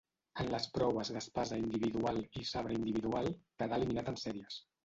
En les proves d'espasa individual i sabre individual quedà eliminat en sèries.